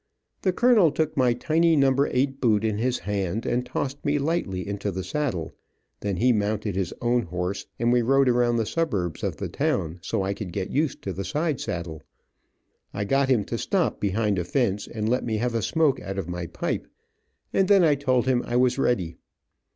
The colonel took my tiny number eight boot in his hand and tossed me lightly into the saddle, then he mounted his own horse and we rode around the suburbs of the town, so I could get used to the side saddle. I got him to stop behind a fence and let me have a smoke out of my pipe, and then I told him I was ready.